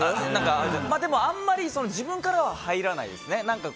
でもあまり自分からは入らないですね。